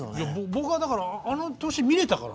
僕はだからあの年見れたからね。